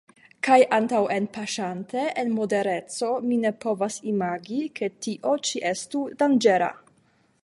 Kaj antaŭenpaŝante en modereco, mi ne povas imagi, ke tio ĉi estu danĝera.